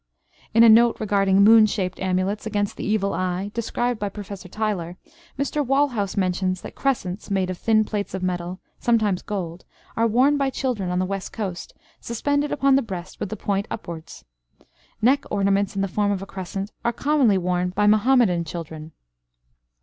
In a note regarding moon shaped amulets against the evil eye described by Professor Tylor, Mr. Walhouse mentions that crescents, made of thin plates of metal, sometimes gold, are worn by children on the west coast, suspended upon the breast with the point upwards. Neck ornaments in the form of a crescent are commonly worn by Muhammadan children.